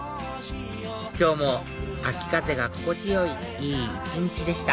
今日も秋風が心地よいいい一日でした